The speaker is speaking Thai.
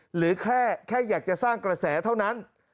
หรือแค่อยากจะสร้างกระแสเท่านั้น